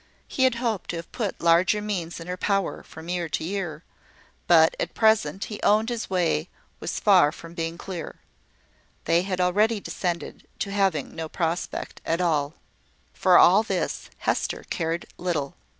He had hoped to have put larger means in her power, from year to year; but at present he owned his way was far from being clear. They had already descended to having no prospect at all. For all this Hester cared little.